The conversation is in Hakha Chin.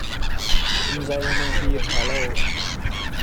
Phunzai lengmang hi a ṭha lo.